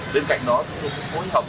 bên cạnh đó chúng tôi cũng phối hợp